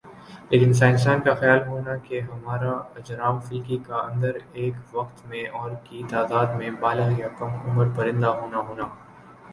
لیکن سائنسدان کا خیال ہونا کہ ہمارہ اجرام فلکی کا اندر ایک وقت میں اور کی تعداد میں بالغ یا کم عمر پرندہ ہونا ہونا